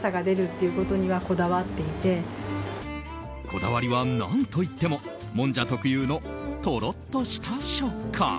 こだわりは何といってももんじゃ特有のとろっとした食感。